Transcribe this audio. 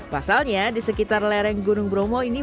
pasalnya di sekitar lereng gunung bromo ini